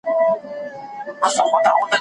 نور د منبر څوکو ته مه خېژوه